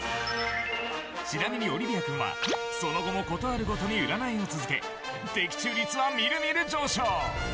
ちなみにオリビア君はその後もことあるごとに占いを続け、的中率はみるみる上昇。